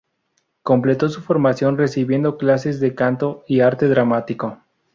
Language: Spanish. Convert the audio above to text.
Completó su formación recibiendo clases de canto y arte dramático.